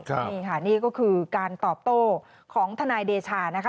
นี่ค่ะนี่ก็คือการตอบโต้ของทนายเดชานะคะ